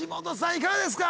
いかがですか？